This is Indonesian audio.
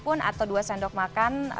fo kn atau dua sendok makan